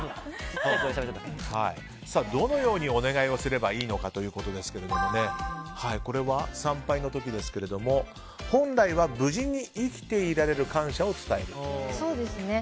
どのようにお願いをすればいいのかということですがこれは参拝の時ですけれども本来は無事に生きていられる感謝を伝えるということですね。